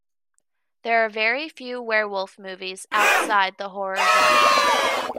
There are very few werewolf movies outside the horror genre.